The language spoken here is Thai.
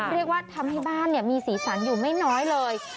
เรียกว่าทำให้บ้านมีสีสันอยู่ไม่น้อยเลย